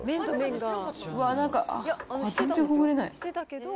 うわー、なんか、あっ、全然ほぐれない。